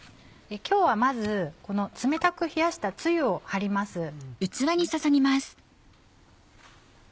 今日はまずこの冷たく冷やしたつゆを張ります。